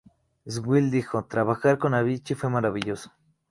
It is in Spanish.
Sewell dijoː"Trabajar con Avicii fue maravilloso.